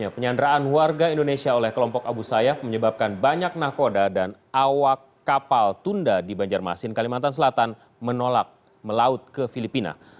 penyanderaan warga indonesia oleh kelompok abu sayyaf menyebabkan banyak nakoda dan awak kapal tunda di banjarmasin kalimantan selatan menolak melaut ke filipina